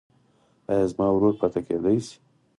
ایا زما ورور پاتې کیدی شي؟